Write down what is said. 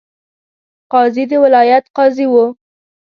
قاضي د ولایت قاضي وو.